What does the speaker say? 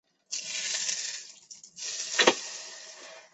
庐江郡舒县人。